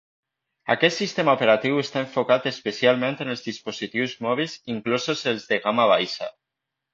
Aquest sistema operatiu està enfocat especialment en els dispositius mòbils inclosos els de gamma baixa.